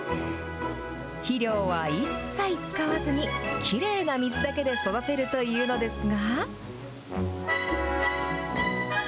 肥料は一切使わずに、きれいな水だけで育てるというのですが。